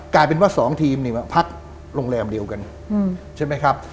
กลายเป็นว่า๒ทีมนี้พักโรงแรมเดียวกัน